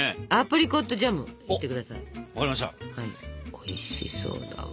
おいしそうだわ。